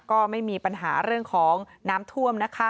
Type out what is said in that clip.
ก็ไม่มีปัญหาเรื่องของน้ำท่วมนะคะ